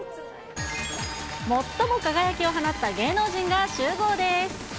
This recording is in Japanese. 最も輝きを放った芸能人が集合です。